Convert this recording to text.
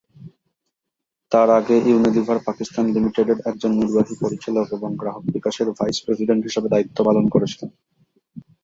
তার আগে ইউনিলিভার পাকিস্তান লিমিটেডের একজন নির্বাহী পরিচালক এবং গ্রাহক বিকাশের ভাইস প্রেসিডেন্ট হিসাবে দায়িত্ব পালন করেছিলেন।